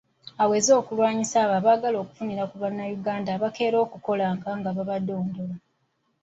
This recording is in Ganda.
Aweze okulwanyisa abo abaagala okufunira ku bannayuganda abakeera okukola nga babadondola.